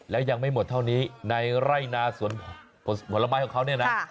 แล้วยังไม่หมดเท่านี้ในไร่นาสวนผลไม้ของเขาเนี่ยนะ